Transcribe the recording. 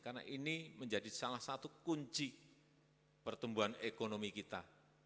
karena ini menjadi salah satu kunci pertumbuhan ekonomi kita